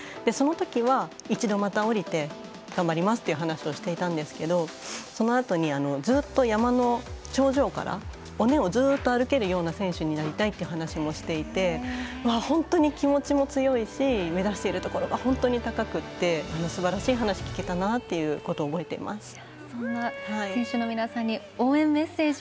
そのときは、一度、また下りて頑張りますという話をしていたんですけどそのあとに、ずっと山の頂上から尾根をずっと歩けるような選手になりたいというような話をしていて本当に気持ちも強いし目指しているところが本当に高くって、すばらしい話聞けたなということを覚えています。